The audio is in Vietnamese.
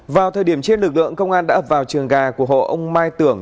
vào thời điểm trên lực lượng công an đã ập vào trường gà của hộ ông mai tưởng